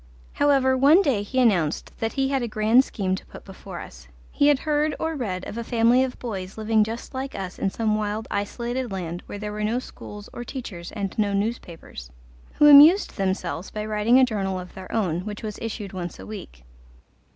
However, one day he announced that he had a grand scheme to put before us. He had heard or read of a family of boys living just like us in some wild isolated land where there were no schools or teachers and no newspapers, who amused themselves by writing a journal of their own, which was issued once a week.